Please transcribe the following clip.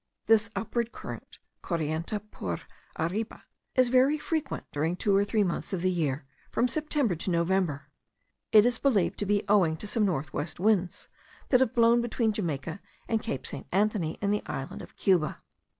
This upward current (corriente por arriba), is very frequent during two or three months of the year, from September to November. It is believed to be owing to some north west winds that have blown between Jamaica and Cape St. Antony in the island of Cuba.